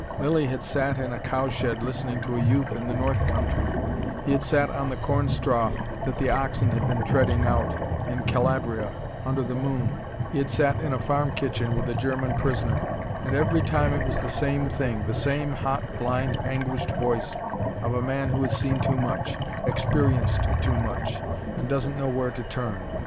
Lilly had sat in a cowshed listening to a youth in the north country: he had sat on the corn straw that the oxen had been treading out, in Calabria, under the moon: he had sat in a farm kitchen with a German prisoner: and every time it was the same thing, the same hot, blind, anguished voice of a man who has seen too much, experienced too much, and doesn't know where to turn.